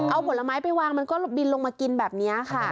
เอาผลไม้ไปวางมันก็บินลงมากินแบบนี้ค่ะ